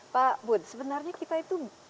pak bud sebenarnya kita itu